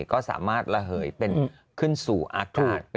ก็สามารถระเหยเป็นขึ้นสู่อากาศ